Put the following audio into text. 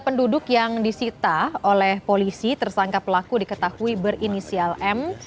penduduk yang disita oleh polisi tersangka pelaku diketahui berinisial m